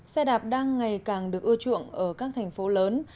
xe đạp đang ngày càng được ưa chuộng ở các thành phố lớn